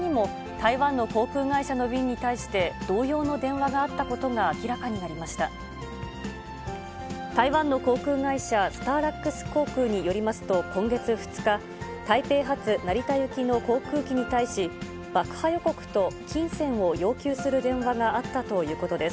台湾の航空会社、スターラックス航空によりますと、今月２日、台北発成田行きの航空機に対し、爆破予告と金銭を要求する電話があったということです。